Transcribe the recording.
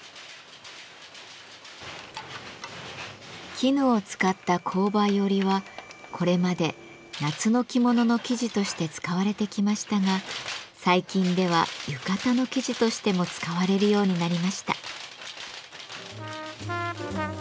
絹を使った紅梅織はこれまで夏の着物の生地として使われてきましたが最近では浴衣の生地としても使われるようになりました。